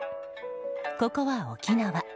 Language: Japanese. ここは、沖縄。